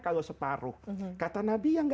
kalau separuh kata nabi ya gak